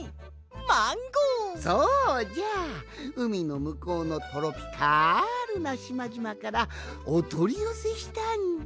そうじゃうみのむこうのトロピカルなしまじまからおとりよせしたんじゃ。